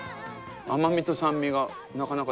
甘みと酸味がなかなかですよ。